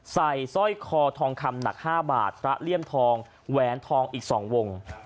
สร้อยคอทองคำหนัก๕บาทพระเลี่ยมทองแหวนทองอีก๒วง